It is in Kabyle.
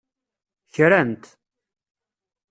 Kran-t.